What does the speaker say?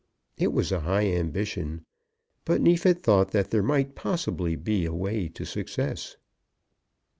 It was a high ambition; but Neefit thought that there might possibly be a way to success.